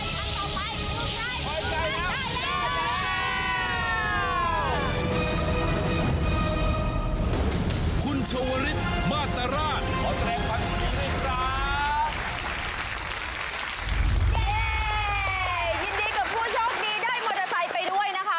นี่ยินดีกับผู้โชคดีได้มอเตอร์ไซค์ไปด้วยนะคะ